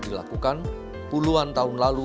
dilakukan puluhan tahun lalu